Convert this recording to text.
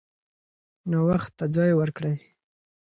نوښت ته ځای ورکړئ.